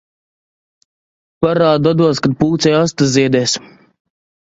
Parādu atdos, kad pūcei aste ziedēs.